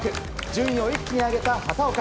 順位を一気に上げた畑岡。